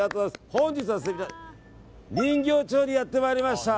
本日、人形町にやってまいりました。